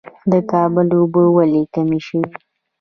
د کابل اوبه ولې کمې شوې؟